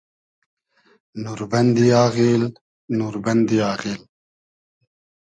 نوربئندی آغیل ، نوربئندی آغیل